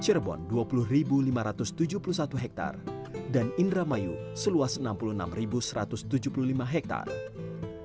cirebon dua puluh lima ratus tujuh puluh satu hektare dan indramayu seluas enam puluh enam satu ratus tujuh puluh lima hektare